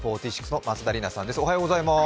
４６の松田里奈さんです。